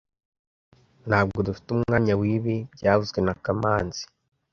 Ntabwo ddufiteumwanya wibi byavuzwe na kamanzi